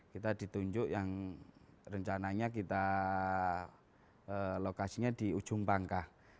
kita ditunjuk yang rencananya kita lokasinya di ujung pangkah